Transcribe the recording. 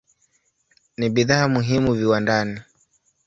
Ni bidhaa muhimu viwandani.